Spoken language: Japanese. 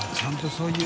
そういう。